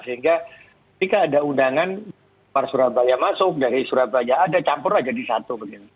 sehingga jika ada undangan para surabaya masuk dari surabaya ada campur aja di satu